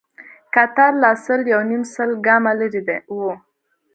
کتار لا سل يونيم سل ګامه لرې و.